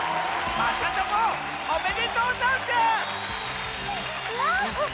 まさともおめでとう！